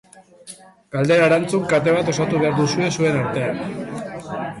Galdera-erantzun kate bat osatu behar duzue zuen artean.